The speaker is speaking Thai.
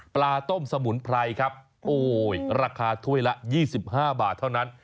ปลาต้มสมุนไพรครับโอ้ยราคาถ้วยละ๒๕บาทเท่านั้น